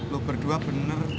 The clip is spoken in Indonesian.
lu berdua bener